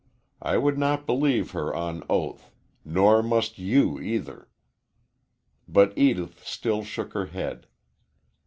I would not believe her on oath nor must you, either." But Edith still shook her head.